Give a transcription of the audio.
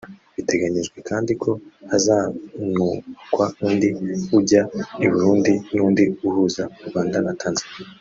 Biteganyijwe kandi ko hazanubakwa undi ujya i Burundi n’undi uhuza u Rwanda na Tanzania